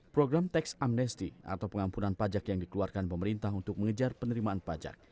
program teks amnesti atau pengampunan pajak yang dikeluarkan pemerintah untuk mengejar penerimaan pajak